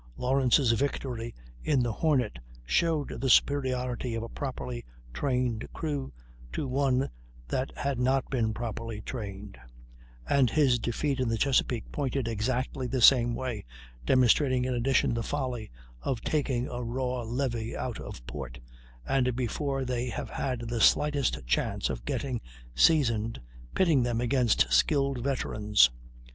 Lawrence's victory in the Hornet showed the superiority of a properly trained crew to one that had not been properly trained; and his defeat in the Chesapeake pointed exactly the same way, demonstrating in addition the folly of taking a raw levy out of port, and, before they have had the slightest chance of getting seasoned, pitting them against skilled veterans.